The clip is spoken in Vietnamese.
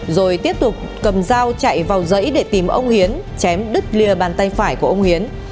rồi tiếp tục cầm dao chạy vào dãy để tìm ông hiến chém đứt lìa bàn tay phải của ông hiến